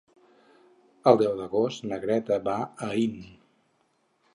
El deu d'agost na Greta va a Aín.